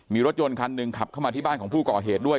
มีรถยนต์คันหนึ่งขับเข้ามาที่บ้านของผู้ก่อเหตุด้วย